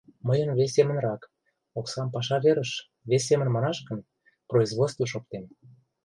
Мыйын вес семынрак: оксам паша верыш, вес семын манаш гын, производствыш оптем.